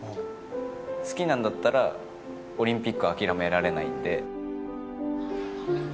好きなんだったらオリンピック諦められないんで。